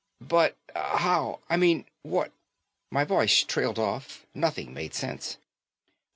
"But how I mean what...?" My voice trailed off. Nothing made sense.